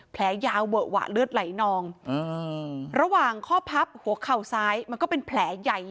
แผลยาวเวอะหวะเลือดไหลนองระหว่างข้อพับหัวเข่าซ้ายมันก็เป็นแผลใหญ่